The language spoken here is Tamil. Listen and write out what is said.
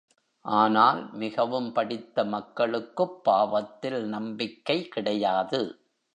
ஆனால் மிகவும் படித்த மக்களுக்குப் பாவத்தில் நம்பிக்கை கிடையாது.